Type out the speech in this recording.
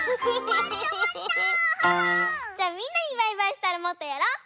じゃあみんなにバイバイしたらもっとやろう！